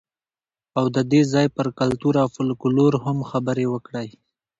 او د دې ځای پر کلتور او فولکلور هم خبرې وکړئ.